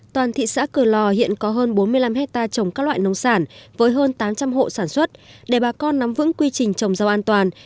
toàn thị xã cửa lò hiện có hơn bốn mươi năm hectare trồng các loại nông sản với hơn tám trăm linh hộ sản xuất để bà con nắm vững quy trình trồng rau an toàn